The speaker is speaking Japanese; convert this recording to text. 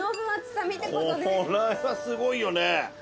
これはすごいよね。